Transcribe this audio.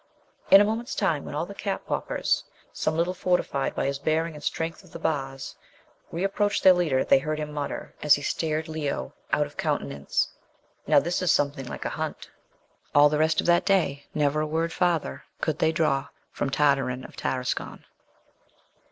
In a moment's time, when all the cap poppers, some little fortified by his bearing and the strength of the bars, re approached their leader, they heard him mutter, as he stared Leo out of countenance: "Now, this is something like a hunt!" All the rest of that day, never a word farther could they draw from Tartarin of Tarascon.